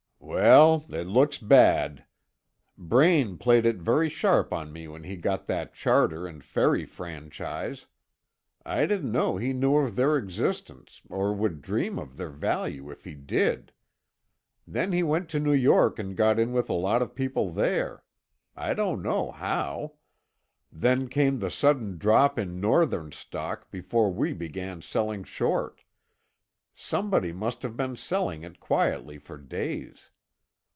"Well, it looks bad. Braine played it very sharp on me when he got that charter and ferry franchise. I didn't know he knew of their existence, or would dream of their value if he did. Then he went to New York and got in with a lot of people there. I don't know how. Then came the sudden drop in Northern stock before we began selling short. Somebody must have been selling it quietly for days.